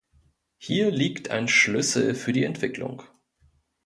Hier liegt ein Schlüssel für die Entwicklung.